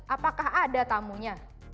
apakah ada tamunya